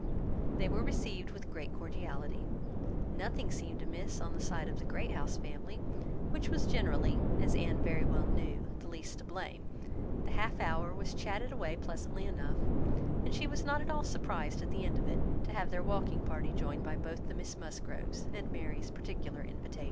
They were received with great cordiality. Nothing seemed amiss on the side of the Great House family, which was generally, as Anne very well knew, the least to blame. The half hour was chatted away pleasantly enough; and she was not at all surprised, at the end of it, to have their walking party joined by both the Miss Musgroves, at Mary's particular invitation.